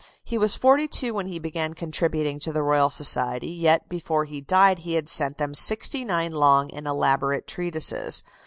He was forty two when he began contributing to the Royal Society; yet before he died he had sent them sixty nine long and elaborate treatises.